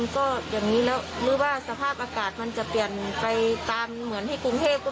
ก็เยอะค่ะส่วนมากก็จะเป็นเผาเพื่อหาของป่า